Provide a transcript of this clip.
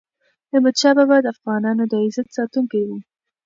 احمد شاه بابا د افغانانو د عزت ساتونکی و.